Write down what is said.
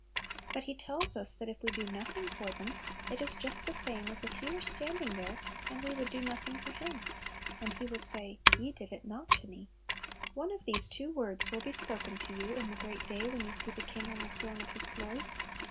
But He tells us that if we do nothing for them, it is just the same as if He were standing there and we would do nothing for Him. And He will say, "Ye did it not to me." One of these two words will be spoken to you in the great day when you see the King on the throne of His glory.